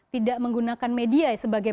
tidak menggunakan media sebagai